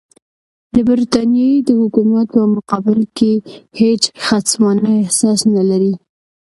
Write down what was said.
د برټانیې د حکومت په مقابل کې هېڅ خصمانه احساس نه لري.